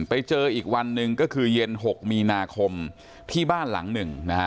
ไปเจออีกวันหนึ่งก็คือเย็น๖มีนาคมที่บ้านหลังหนึ่งนะฮะ